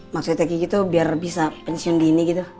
maksudnya gitu biar bisa pensiun gini gitu